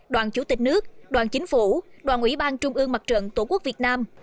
đoàn chủ tịch nước đoàn chính phủ đoàn ủy ban trung ương mặt trận tổ quốc việt nam